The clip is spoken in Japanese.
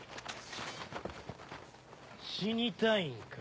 死にたいんか？